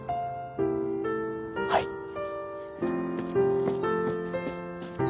はい。